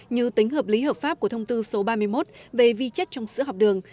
như tính hợp lý hợp pháp của thông tư số ba mươi một về vi chất trong sữa học đường